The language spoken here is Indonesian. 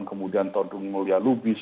kemudian todung mulya lubis